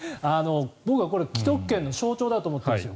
僕はこれ既得権の象徴だと思ってるんです。